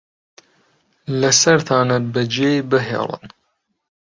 لەسەرتانە بەجێی بهێڵن